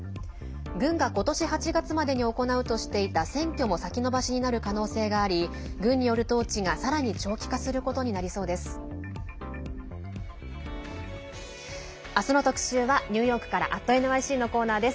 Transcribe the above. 軍が今年８月までに行うとしていた選挙も先延ばしになる可能性があり軍による統治がさらに長期化することになりそうです。